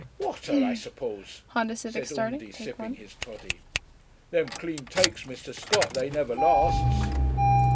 'Water, I suppose,' said Undy, sipping his toddy. 'Them clean takes, Mr. Scott, they never lasts.